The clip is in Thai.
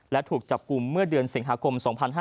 และถูกจับกลุ่มเมื่อเดือนสิงหาคม๒๕๕๙